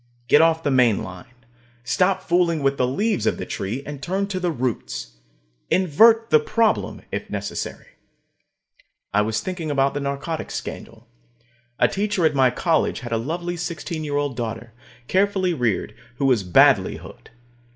Get off the main line. Stop fooling with the leaves of the tree, and turn to the roots. Invert the problem, if necessary. I was thinking about the narcotics scandal. A teacher at my college had a lovely sixteen year old daughter, carefully reared, who was badly hooked.